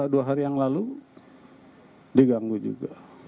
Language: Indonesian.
dua hari yang lalu diganggu juga